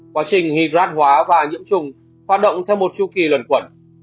quá trình hịch loạt hóa và nhiễm trùng hoạt động theo một chư kỳ luận quẩn